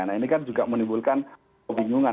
nah ini kan juga menimbulkan kebingungan